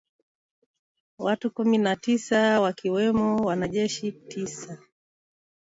Watu kumi na sita wakiwemo wanajeshi tisa